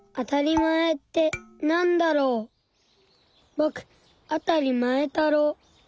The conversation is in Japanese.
ぼくあたりまえたろう。